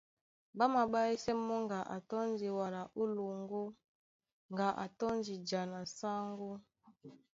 Ɓá maɓáísɛ́ mɔ́ ŋga a tɔ́ndi wala ó loŋgó ŋga a tɔ́ndi ja na sáŋgó.